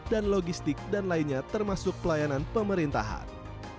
dan logistik dan lainnya termasuk pelayanan pemerintahan